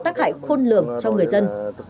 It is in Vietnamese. tác hại khôn lường cho người dân